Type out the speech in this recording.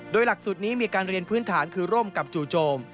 โดยหลักสูตรนี้มีการเรียนพื้นฐานคือร่วมกับจู่โจม